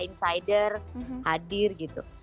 insider hadir gitu